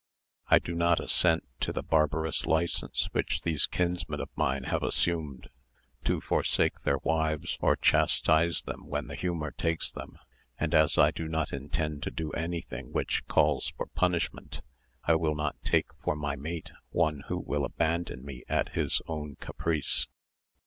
I do not assent to the barbarous licence which these kinsmen of mine have assumed, to forsake their wives or chastise them when the humour takes them; and as I do not intend to do anything which calls for punishment, I will not take for my mate one who will abandon me at his own caprice."